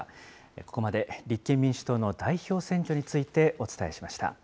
ここまで立憲民主党の代表選挙についてお伝えしました。